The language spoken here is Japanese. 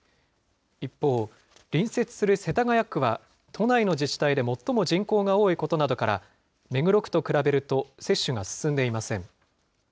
一方、隣接する世田谷区は、都内の自治体で最も人口が多いことなどから、目黒区と比べると接種が進んでいません。